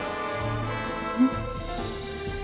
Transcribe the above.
うん。